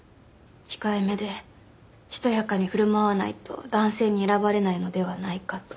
控えめでしとやかに振る舞わないと男性に選ばれないのではないかと。